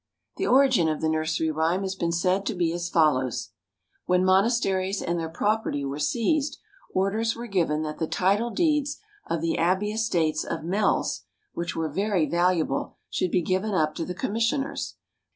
= The origin of the nursery rhyme has been said to be as follows: When monasteries and their property were seized, orders were given that the title deeds of the abbey estates of Mells, which were very valuable, should be given up to the commissioners.